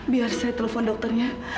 biar saya telepon dokternya